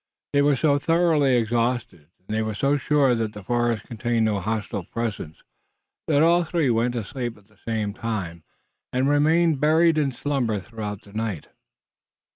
They were so thoroughly exhausted, and they were so sure that the forest contained no hostile presence that all three went to sleep at the same time and remained buried in slumber throughout the night.